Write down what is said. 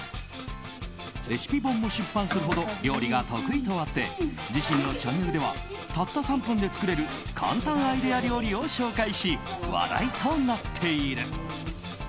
レシピ本も出版するほど料理が得意とあって自身のチャンネルではたった３分で作れる簡単アイデア料理を紹介し話題となっている。